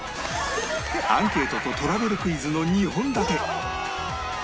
アンケートとトラベルクイズの２本立て